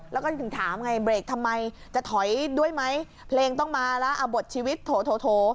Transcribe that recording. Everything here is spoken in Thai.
แล้วก็ถึงถามไงเบรกทำไมจะถอยด้วยไหมเพลงต้องมาแล้วเอาบทชีวิตโถ